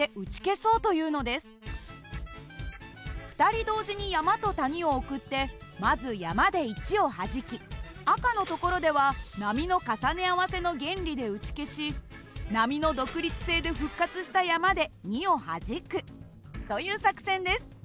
２人同時に山と谷を送ってまず山で１をはじき赤の所では波の重ね合わせの原理で打ち消し波の独立性で復活した山で２をはじくという作戦です。